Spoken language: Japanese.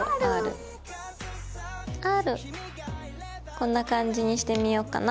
こんな感じにしてみよっかな。